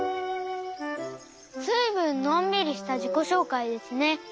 ずいぶんのんびりしたじこしょうかいですね。